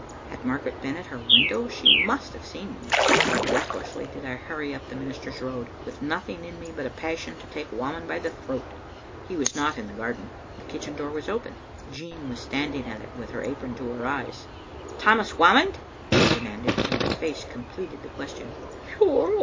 Had Margaret been at her window she must have seen me, so recklessly did I hurry up the minister's road, with nothing in me but a passion to take Wha mond by the throat. He was not in the garden. The kitchen door was open. Jean was standing at it with her apron to her eyes. "Tammas Whamond?" I demanded, and my face completed the question.